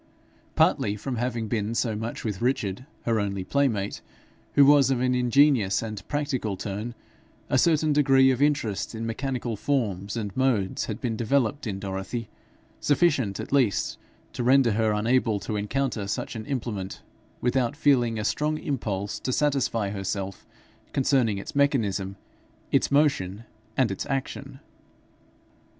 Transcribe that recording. Partly from having been so much with Richard, her only playmate, who was of an ingenious and practical turn, a certain degree of interest in mechanical forms and modes had been developed in Dorothy, sufficient at least to render her unable to encounter such an implement without feeling a strong impulse to satisfy herself concerning its mechanism, its motion, and its action.